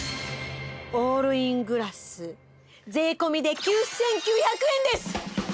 オールイングラス税込で９９００円です！